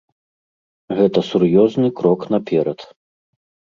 Гэта сур'ёзны крок наперад.